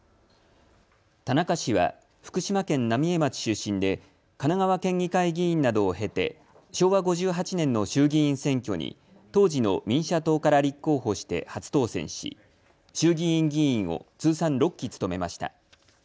田中氏は福島県浪江町出身で神奈川県議会議員などを経て昭和５８年の衆議院選挙に当時の民社党から立候補して初当選し、衆議院議員を通算６期務めました。